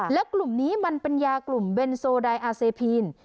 แล้วกลุ่มนี้มันเป็นยากลุ่มเบนโซไดอาเซพีน